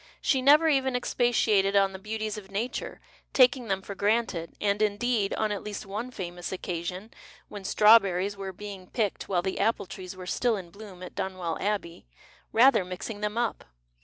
She never even expatiated on 258 JANE AUSTEN the beauties of nature, taking them for granted and, indeed, on at least one famous occasion — when strawberries were bcinjj picked while the apple trees were still in bloom at DonwcU Abbey — ratiicr mixing them up.